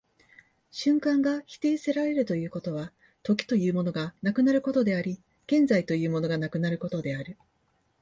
瞬間が否定せられるということは、時というものがなくなることであり、現在というものがなくなることである。